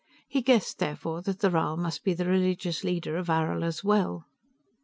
He guessed therefore that the Rhal must be the religious ruler of Arrill as well.